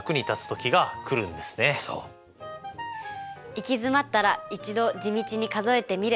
行き詰まったら一度地道に数えてみる。